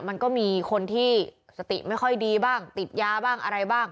มันก็มีคนที่สติไม่ค่อยดีบ้างติดยาบ้างอะไรบ้าง